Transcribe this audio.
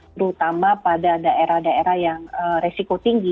terutama pada daerah daerah yang resiko tinggi